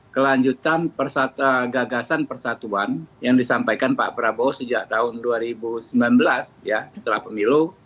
kelanjutan gagasan persatuan yang disampaikan pak prabowo sejak tahun dua ribu sembilan belas setelah pemilu